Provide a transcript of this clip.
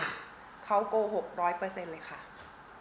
แสดงว่าพี่ลูกตาไม่ได้บล็อกช่องทางการติดต่อ